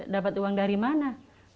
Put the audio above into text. dapat uang dari mana